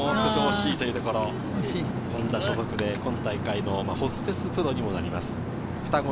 惜しいというところ、ホンダ所属で今大会のホステスプロにもなります。